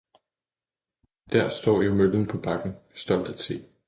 Der står jo møllen på bakken, stolt at se!